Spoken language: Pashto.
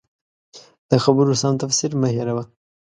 د خبرو سم تفسیر مه هېروه.